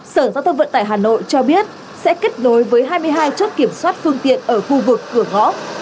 sở giao thông vận tải hà nội cho biết sẽ kết nối với hai mươi hai chốt kiểm soát phương tiện ở khu vực cửa ngõ